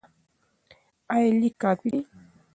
ایا لیک کافي دی؟